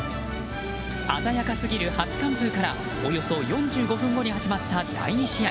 鮮やかすぎる初完封からおよそ４５分後に始まった第２試合。